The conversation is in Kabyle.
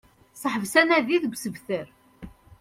Seḥbes anadi deg usebter